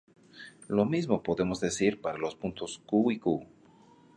Lo mismo podemos decir para los puntos Q y Q′.